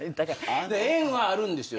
縁はあるんですよ